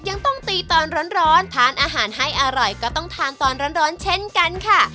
ยังต้องตีตอนร้อนทานอาหารให้อร่อยก็ต้องทานตอนร้อนเช่นกันค่ะ